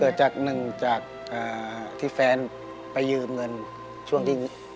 เกิดจากนึงจากที่แฟนไปยืมเงินช่วงที่นี้